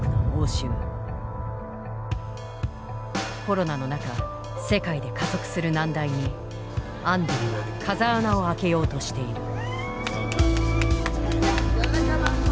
コロナの中世界で加速する難題にアンディは風穴を開けようとしている。